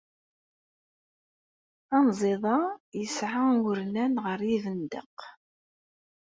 Anziḍ-a yesɛa urnan ɣer yibendeq.